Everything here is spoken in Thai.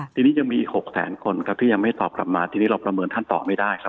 ทีนี้ยังมีอีก๖แสนคนครับที่ยังไม่ตอบกลับมาทีนี้เราประเมินท่านต่อไม่ได้ครับ